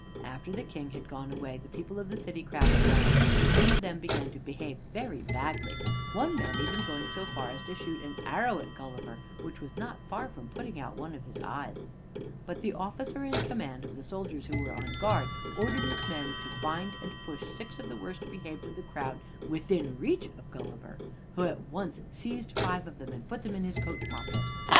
After the King had gone away the people of the city crowded round, and some of them began to behave very badly, one man even going so far as to shoot an arrow at Gulliver which was not far from putting out one of his eyes. But the officer in command of the soldiers who were on guard ordered his men to bind and push six of the worst behaved of the crowd within reach of Gulliver, who at once seized five of them and put them in his coat pocket.